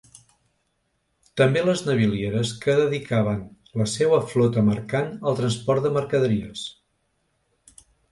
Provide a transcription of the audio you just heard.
També les navilieres que dedicaven la seua flota mercant al transport de mercaderies.